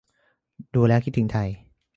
ดูแล้วคิดถึงไทย